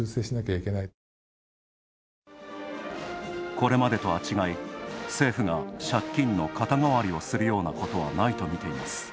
これまでとは違い、政府が借金の肩代わりをするようなことはないとみています。